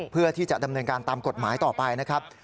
เพื่อที่จะดำเนินการตามกฎหมายต่อไปนะครับ